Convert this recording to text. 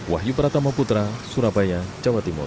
wahyu pratama putra surabaya jawa timur